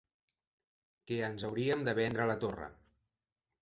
- Que ens hauríem de vendre la torra.